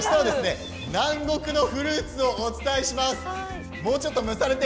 あしたは南国フルーツをご紹介します。